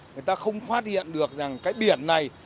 người ta không phát hiện được rằng cái biển này